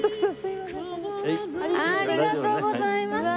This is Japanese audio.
ありがとうございます。